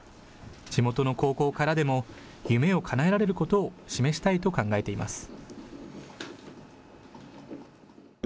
地元の高校からでも夢をかなえられることを示したいと考えています。